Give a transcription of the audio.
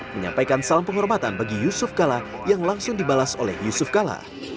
menyampaikan salam penghormatan bagi yusuf kala yang langsung dibalas oleh yusuf kala